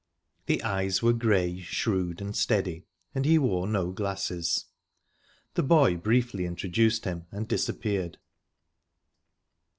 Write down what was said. The eyes were grey, shrewd, and steady, and he wore no glasses...The boy briefly introduced him, and disappeared.